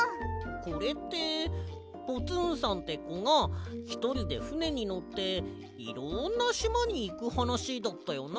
これってポツンさんってこがひとりでふねにのっていろんなしまにいくはなしだったよな。